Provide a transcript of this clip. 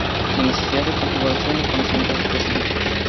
Sin necesidad de configuración ni conocimientos específicos.